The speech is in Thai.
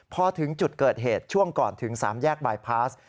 พอถึงจุดเกิดเหตุช่วงก่อนถึง๓แยกบายพาส